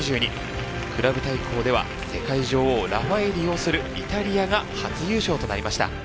クラブ対抗では世界女王ラファエーリ擁するイタリアが初優勝となりました。